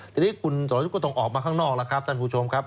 ทีนี้คุณสรยุทธ์ก็ต้องออกมาข้างนอกแล้วครับท่านผู้ชมครับ